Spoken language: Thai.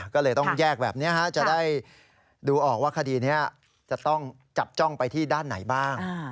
ก็เลยต้องแยกแบบนี้จะได้ดูออกว่าคดีนี้จะต้องจับจ้องไปที่ด้านไหนบ้าง